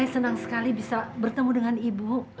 saya senang sekali bisa bertemu dengan ibu